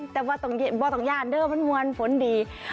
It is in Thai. แต่ว่าตรงย่านเดิมมันมวลฝนดี